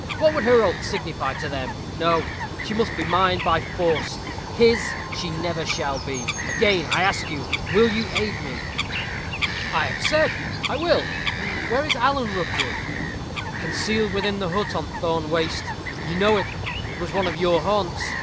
What would her oath signify to them? No; she must be mine by force. His she shall never be. Again, I ask you, will you aid me?" "I have said I will. Where is Alan Rookwood?" "Concealed within the hut on Thorne Waste. You know it it was one of your haunts."